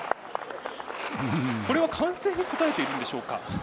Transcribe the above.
これは歓声に応えているんでしょうか。